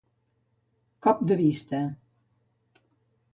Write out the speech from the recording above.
Cop de vista.